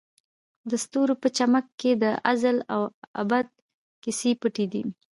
د ستوري په چمک کې د ازل او ابد کیسې پټې دي.